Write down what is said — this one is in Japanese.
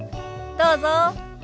どうぞ。